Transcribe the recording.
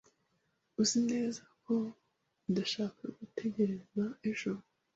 Uzi neza ko udashaka gutegereza ejo?